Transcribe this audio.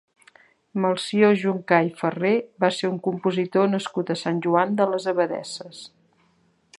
Melcior Juncà i Farré va ser un compositor nascut a Sant Joan de les Abadesses.